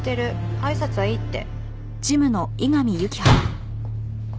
挨拶はいいって。